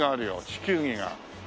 地球儀が。